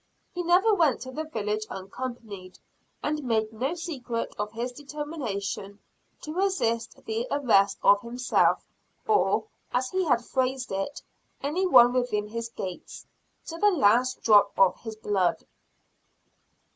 He never went to the village unaccompanied; and made no secret of his determination to resist the arrest of himself or, as he had phrased it, "any one within his gates," to the last drop of his blood.